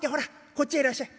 こっちへいらっしゃい。